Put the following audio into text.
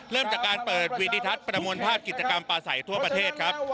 เริ่มจากการเปิดวีดิทัศน์ประมวลภาพกิจกรรมปลาใสทั่วประเทศครับ